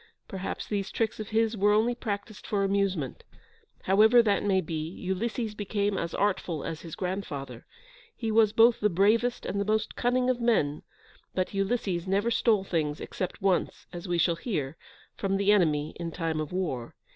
Perhaps these tricks of his were only practised for amusement; however that may be, Ulysses became as artful as his grandfather; he was both the bravest and the most cunning of men, but Ulysses never stole things, except once, as we shall hear, from the enemy in time of war.